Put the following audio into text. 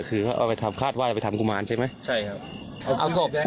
คือเขาเอาไปทำคาดว่าจะไปทำกุมารใช่ไหมใช่ครับเอาศพแล้ว